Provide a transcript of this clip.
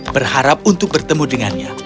berharap untuk bertemu dengannya